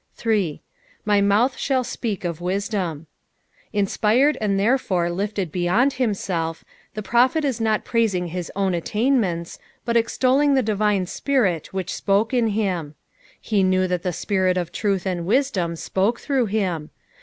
8. " My AMutA shall ipeah of Kudom." Inspired and therefore lifted beyond himself, the prophet is not praising his own attainments, but extoUiog tba PSALU THE FOBTT NINTH. 413 divine Spirit which spoke in bim. He knew that the Spirit of truth and wisdom spoke through bim.